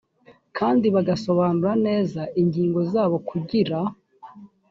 kandi bagasobanura neza ingingo zabo kugira